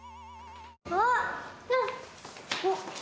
あっ！